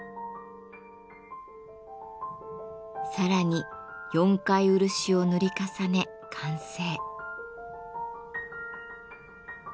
さらに４回漆を塗り重ね完成。